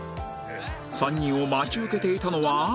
３人を待ち受けていたのは